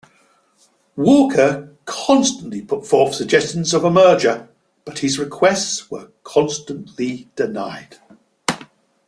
Walker constantly put forth suggestions of a merger, but his requests were constantly denied.